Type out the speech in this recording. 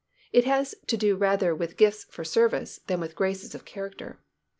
It has to do rather with gifts for service than with graces of character.